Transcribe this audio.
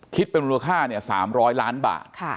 คิดเป็นมูลค่า๓๐๐ล้านบาท